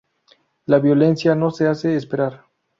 La violencia no se hace esperar.